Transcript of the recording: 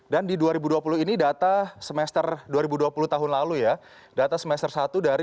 dan di dua ribu dua puluh ini data semester dua ribu dua puluh tahun lalu ya data semester satu